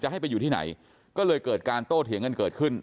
ให้ไปอยู่ที่ไหนก็เลยเกิดการโต้เถียงกันเกิดขึ้น